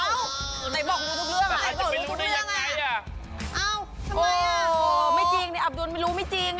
ทำไมล่ะจะไปรู้ได้อย่างไรไม่จริงนี่อับดุลไม่รู้ไม่จริง